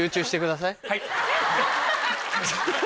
はい。